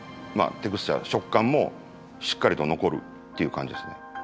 テクスチャー食感もしっかりと残るっていう感じですね。